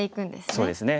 そうですね。